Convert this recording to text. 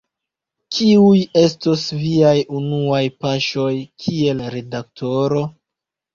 Kiuj estos viaj unuaj paŝoj kiel redaktoro?